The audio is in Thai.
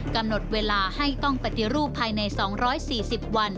กำหนดเวลาให้ต้องปฏิรูปภายใน๒๔๐วัน